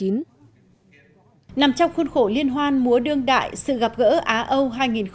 nằm trong khuôn khổ liên hoan múa đương đại sự gặp gỡ á âu hai nghìn một mươi chín